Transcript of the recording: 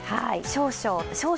少々。